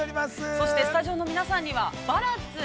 ◆そしてスタジオの皆さんには、ＢＡＲＡＴＺ。